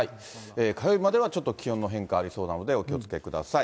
火曜日まではちょっと気温の変化ありそうなので、お気をつけください。